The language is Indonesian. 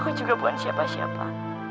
aku juga bukan siapa siapa